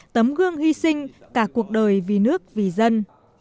tấm gương hy sinh cả cuộc đời vì nước vì dân